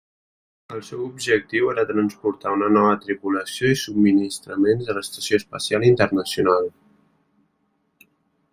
El seu objectiu era transportar una nova tripulació i subministraments a l'Estació Espacial Internacional.